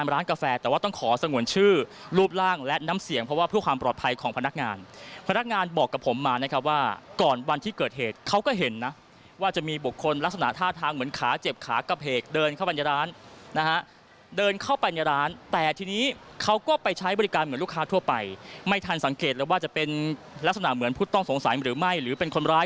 กาแฟแต่ว่าต้องขอสงวนชื่อรูปร่างและน้ำเสียงเพราะว่าเพื่อความปลอดภัยของพนักงานพนักงานบอกกับผมมานะครับว่าก่อนวันที่เกิดเหตุเขาก็เห็นนะว่าจะมีบุคคลลักษณะท่าทางเหมือนขาเจ็บขากระเพกเดินเข้าไปในร้านนะฮะเดินเข้าไปในร้านแต่ทีนี้เขาก็ไปใช้บริการเหมือนลูกค้าทั่วไปไม่ทันสังเกตเลยว่าจะเป็นลักษณะเหมือนผู้ต้องสงสัยหรือไม่หรือเป็นคนร้าย